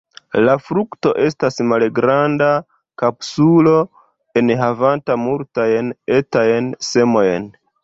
La frukto estas malgranda kapsulo enhavanta multajn etajn semojn.